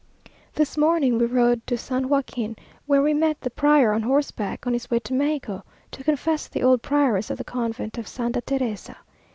This morning we rode to San Joaquin, where we met the prior on horseback, on his way to Mexico to confess the old prioress of the convent of Santa Teresa.